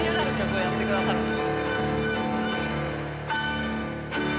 やってくださるんです。